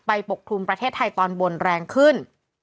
ปกคลุมประเทศไทยตอนบนแรงขึ้น